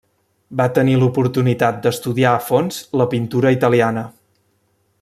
Va tenir l'oportunitat d'estudiar a fons la pintura italiana.